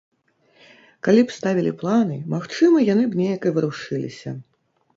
Калі б ставілі планы, магчыма, яны б неяк і варушыліся.